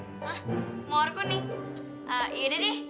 hah mawar kuning